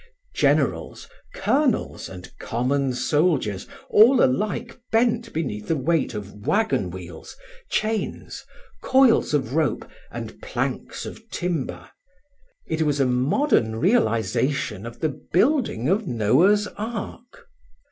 Generals, colonels, and common soldiers all alike bent beneath the weight of wagon wheels, chains, coils of rope, and planks of timber; it was a modern realization of the building of Noah's ark.